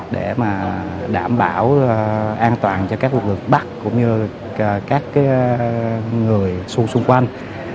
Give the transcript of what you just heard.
để đảm bảo an toàn cho các lực lượng bắt cũng như là các người xung quanh